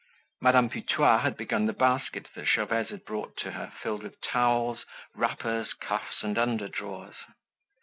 Madame Putois had begun the basket that Gervaise had brought to her filled with towels, wrappers, cuffs and underdrawers.